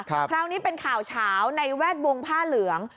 คราวนี้เป็นข่าวเฉาในแวดวงผ้าเหลือง